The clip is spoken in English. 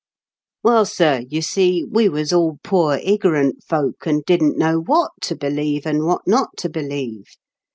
"Well, sir, you see, we was all poor iggorant folk, and didn't know what to believe, and what not to believe.